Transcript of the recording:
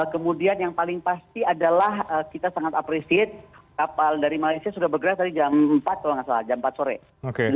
kemudian yang paling pasti adalah kita sangat appreciate kapal dari malaysia sudah bergerak tadi jam empat kalau nggak salah jam empat sore